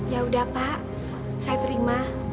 yaudah pak saya terima